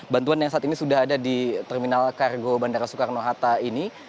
bantuan yang saat ini sudah ada di terminal kargo bandara soekarno hatta ini